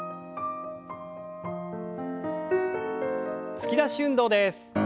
突き出し運動です。